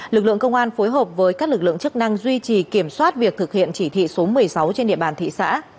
lực lượng công an phối hợp với các lực lượng chức năng duy trì kiểm soát việc thực hiện chỉ thị số một mươi sáu trên địa bàn thị xã